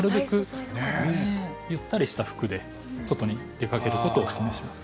ゆったりとした服で出かけることをおすすめします。